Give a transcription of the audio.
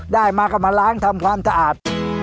ได้มาก็มาล้างทำความสะอาด